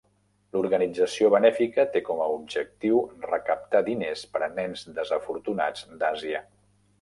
L'organització benèfica té com a objectiu recaptar diners per a nens desafortunats d'Àsia.